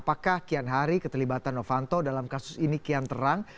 apakah kian hari keterlibatan novanto dalam kasus ini kian terang